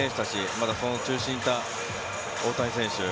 また、その中心にいた大谷選手。